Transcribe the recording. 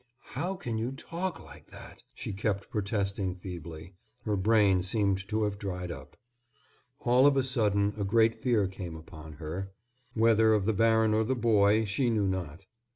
"How can you talk like that?" she kept protesting feebly. Her brain seemed to have dried up. All of a sudden a great fear came upon her, whether of the baron or the boy, she knew not.